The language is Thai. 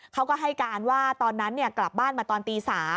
เขาก็ให้การว่าตอนนั้นกลับบ้านมาตอนตี๓